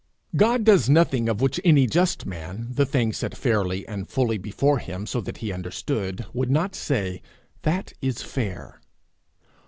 God does nothing of which any just man, the thing set fairly and fully before him so that he understood, would not say, 'That is fair.'